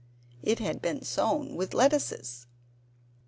It had been sown with lettuces.